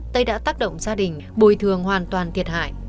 tây đã tác động gia đình bồi thường hoàn toàn thiệt hại